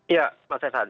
iya mas renhan